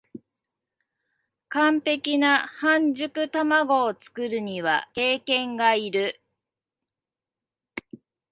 完璧な半熟たまごを作るには経験がいる